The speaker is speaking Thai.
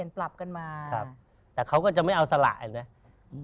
ปรับกันมาครับแต่เขาก็จะไม่เอาสละเห็นไหม